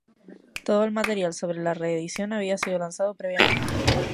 Todo el material sobre la reedición había sido lanzado previamente.